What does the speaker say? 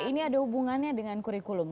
ini ada hubungannya dengan kurikulum